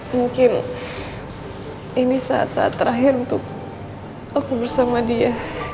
mungkin ini saat saat terakhir untuk aku bersama dia